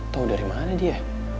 tau dari mana dia